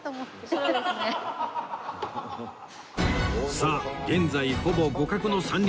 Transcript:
さあ現在ほぼ互角の３人